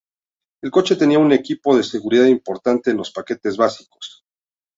El coche tenía un equipo de seguridad importante en los paquetes básicos.